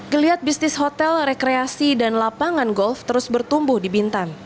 geliat bisnis hotel rekreasi dan lapangan golf terus bertumbuh di bintan